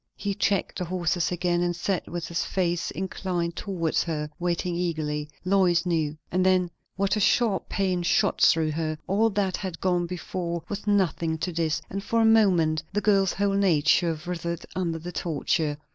He checked the horses again, and sat with his face inclined towards her, waiting eagerly, Lois knew. And then, what a sharp pain shot through her! All that had gone before was nothing to this; and for a moment the girl's whole nature writhed under the torture.